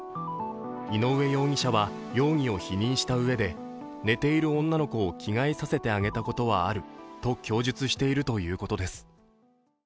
井上容疑者は容疑を否認したうえで寝ている女の子を着替えさせてあげたことはあると供述しているということです。